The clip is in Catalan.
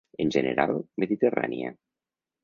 En general, mediterrània.